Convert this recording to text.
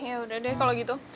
yaudah deh kalau gitu